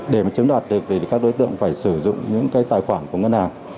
để mà chiếm đoạt được thì các đối tượng phải sử dụng những cái tài khoản của ngân hàng